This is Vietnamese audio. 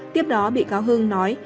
tiếp đó bị cáo hưng nói